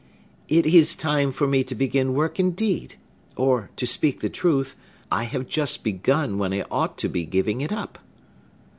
"It is time for me to begin work, indeed! Or, to speak the truth, I have just begun when I ought to be giving it up."